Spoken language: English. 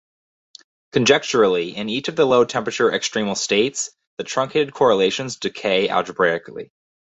Conjecturally, in each of the low temperature extremal states the truncated correlations decay algebraically.